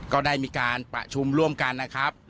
ก็ได้มีการประชุมร่วมกันนะครับ